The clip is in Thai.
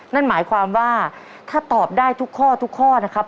นั่นหมายความว่าถ้าตอบได้ทุกข้อทุกข้อนะครับ